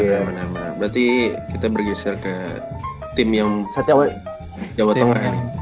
mana mana mana berarti kita bergeser ke tim yang jawa tengah ya